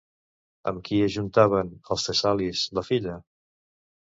Amb qui ajuntaven, els tessalis, la filla?